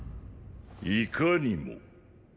いかにも。